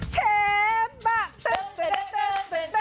เชฟบะตึ๊ด